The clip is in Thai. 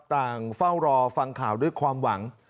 เฝ้ารอฟังข่าวด้วยความหวัง